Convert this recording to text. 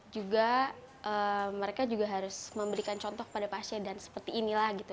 juga mereka juga harus memberikan contoh kepada pasien dan seperti inilah gitu